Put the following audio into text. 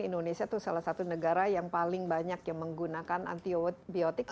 indonesia itu salah satu negara yang paling banyak yang menggunakan antibiotik